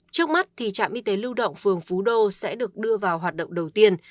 trước mắt trạm y tế lưu động phường phú đô sẽ được đưa vào hoạt động đầu tiên